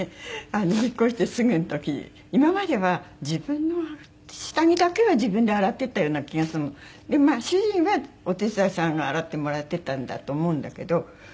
あのね引っ越してすぐの時今までは自分の下着だけは自分で洗ってたような気がするの。で主人はお手伝いさんが洗ってもらってたんだと思うんだけど。